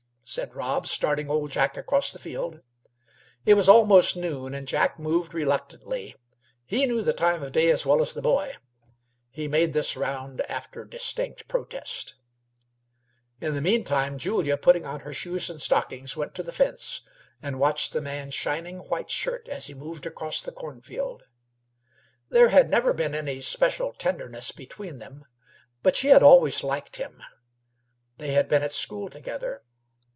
"Chk!" said Rob, starting old Jack across the field. It was almost noon, and Jack moved reluctantly. He knew the time of day as well as the boy. He made this round after distinct protest. In the meantime Julia, putting on her shoes and stockings, went to the fence and watched the man's shining white shirt as he moved across the corn field. There had never been any special tenderness between them, but she had always liked him. They had been at school together.